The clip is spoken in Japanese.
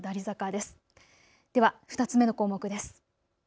では２つ目の項目です。